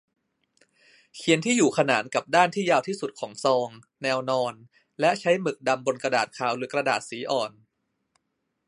เขียนที่อยู่ขนานกับด้านที่ยาวที่สุดของซอง แนวนอน และใช้หมึกดำบนกระดาษขาวหรือกระดาษสีอ่อน